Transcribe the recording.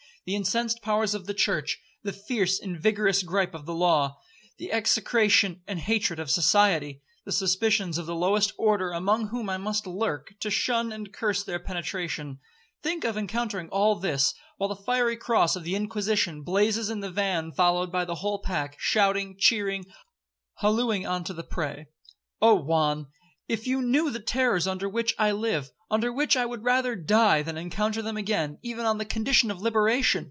The incensed powers of the church—the fierce and vigorous gripe of the law—the execration and hatred of society—the suspicions of the lowest order among whom I must lurk, to shun and curse their penetration; think of encountering all this, while the fiery cross of the Inquisition blazes in the van followed by the whole pack, shouting, cheering, hallooing on to the prey. Oh Juan! if you knew the terrors under which I live—under which I would rather die than encounter them again, even on the condition of liberation!